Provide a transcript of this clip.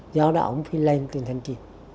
do đó ông phải lên trên thanh chiêm